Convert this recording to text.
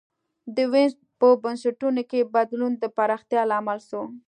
د وینز په بنسټونو کي بدلون د پراختیا لامل سو.